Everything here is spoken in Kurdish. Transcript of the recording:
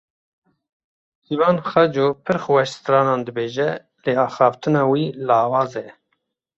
Ciwan Haco pir xweş stranan dibêje lê axaftina wî lawaz e.